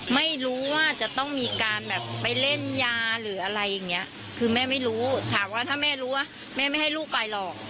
ไม่รู้ว่าจะต้องมีการแบบไปเล่นยาหรืออะไรอย่างเงี้ยคือแม่ไม่รู้ถามว่าถ้าแม่รู้ว่าแม่ไม่ให้ลูกไปหรอก